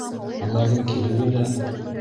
Уларҙың килеүе лә...